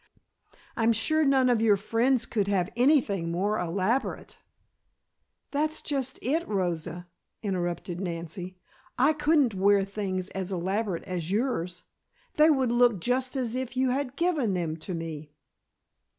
I'm sure none of your friends could have anything more elaborate " "That's just it, Rosa," interrupted Nancy, "I couldn't wear things as elaborate as yours. They would look just as if you had given them to me."